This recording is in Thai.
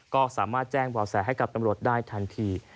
ก็สามารถแจ้งบ่อแสให้กับตำรวจได้ทันที